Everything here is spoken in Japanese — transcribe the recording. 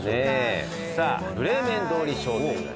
さあブレーメン通り商店街。